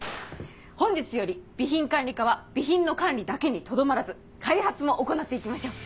本日より備品管理課は備品の管理だけにとどまらず開発も行って行きましょう。